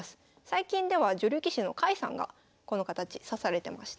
最近では女流棋士の甲斐さんがこの形指されてました。